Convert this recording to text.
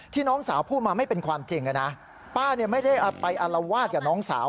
น้องสาวพูดมาไม่เป็นความจริงนะป้าเนี่ยไม่ได้ไปอารวาสกับน้องสาว